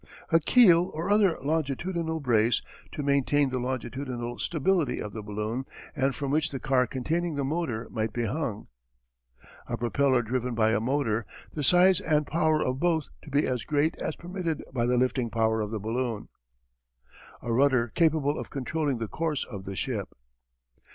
A keel, or other longitudinal brace, to maintain the longitudinal stability of the balloon and from which the car containing the motor might be hung. A propeller driven by a motor, the size and power of both to be as great as permitted by the lifting power of the balloon. A rudder capable of controlling the course of the ship.